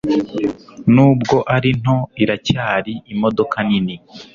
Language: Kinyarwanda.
Nubwo ari nto, iracyari imodoka nini